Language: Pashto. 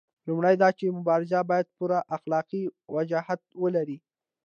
لومړی دا چې مبارزه باید پوره اخلاقي وجاهت ولري.